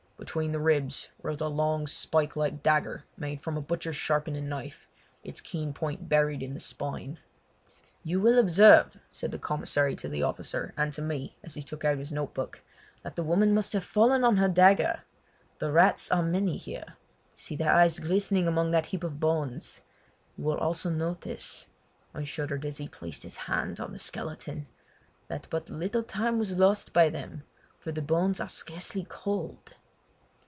Between the ribs rose a long spike like dagger made from a butcher's sharpening knife, its keen point buried in the spine. "You will observe," said the commissary to the officer and to me as he took out his note book, "that the woman must have fallen on her dagger. The rats are many here—see their eyes glistening among that heap of bones—and you will also notice"—I shuddered as he placed his hand on the skeleton—"that but little time was lost by them, for the bones are scarcely cold!"